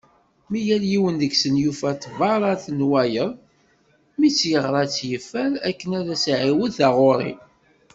Mi yal yiwen deg-sen yufa tbarat n wayeḍ, mi tt-yeɣra a tt-yeffer, akken ad as-iɛiwed taɣuri.